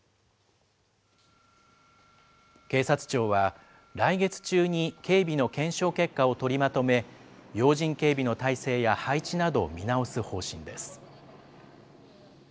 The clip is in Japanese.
警察庁は来月中に警備の検証結果を取りまとめ、要人警備の体制や配置などを見直す方針です。